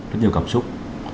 rất nhiều cảm xúc